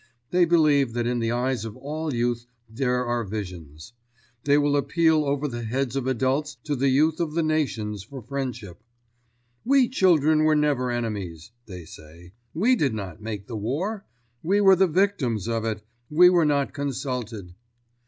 They believe that in the eyes of all youth there are visions. They will appeal over the heads of adults to the youth of the nations for friendship. "We children were never enemies," they say. "We did not make the war. We were the victims of it. We were not consulted."